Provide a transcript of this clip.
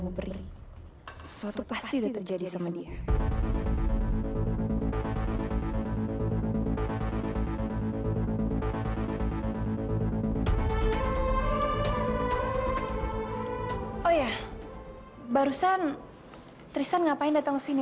oh ya barusan tristan ngapain datang sini